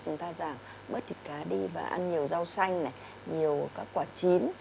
chúng ta giảm bớt thịt cá đi và ăn nhiều rau xanh này nhiều các quả chín